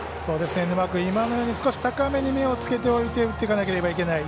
沼君少し高めに目をつけておいて打っていかなければいけない。